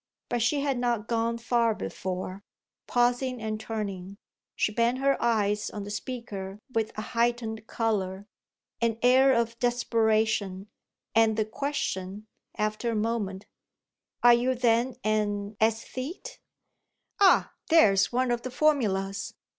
But she had not gone far before, pausing and turning, she bent her eyes on the speaker with a heightened colour, an air of desperation and the question, after a moment: "Are you then an æsthete?" "Ah there's one of the formulas!